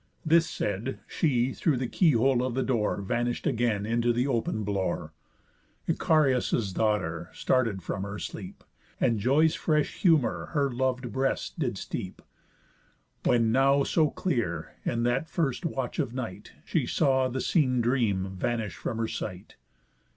This said, she, through the key hole of the door, Vanish'd again into the open blore. Icarius' daughter started from her sleep, And Joy's fresh humour her lov'd breast did steep, When now so clear, in that first watch of night, She saw the seen Dream vanish from her sight.